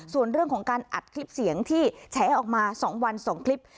ส่วนเรื่องของการอัดคลิปเสียงที่แฉออกมา๒วัน๒คลิป